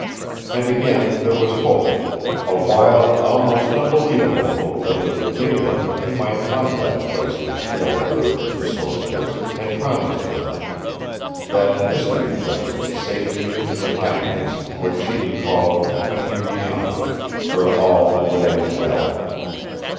And again there was hope, a wild, almost unbelievable hope that with Nada he might find that place which Yellow Bird, the sorceress, had promised for them that mystery place of safety and of happiness which she had called The Country Beyond, where "all would end well."